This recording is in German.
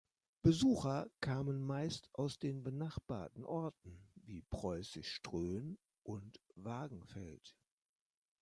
Besucher kamen meist aus den benachbarten Orten, wie Preußisch Ströhen und Wagenfeld.